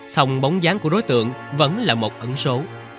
sòng bóng dáng của đối tượng vẫn là một ẩn số